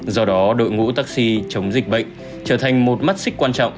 do đó đội ngũ taxi chống dịch bệnh trở thành một mắt xích quan trọng